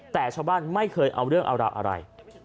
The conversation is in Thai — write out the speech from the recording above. แต่ชาวบ้านไม่เคยเอาเรื่องเอาราวอะไร